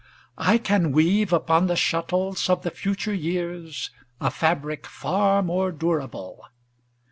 I can weave Upon the shuttles of the future years A fabric far more durable.